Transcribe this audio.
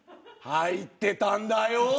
入ってたんだよ。